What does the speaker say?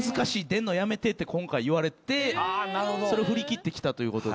出んのやめて」って今回言われてそれを振り切って来たという。